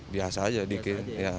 biasa aja dikit